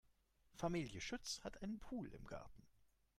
Familie Schütz hat einen Pool im Garten.